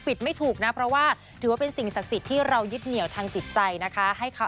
ไม่ถูกนะเพราะว่าถือว่าเป็นสิ่งศักดิ์สิทธิ์ที่เรายึดเหนียวทางจิตใจนะคะให้เขา